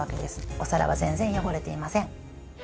お皿は全然汚れていません。